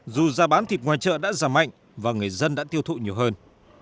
dù giá bán thịt ngoài chợ đã giảm mạnh và người dân đã tiêu thụ nhiều hơn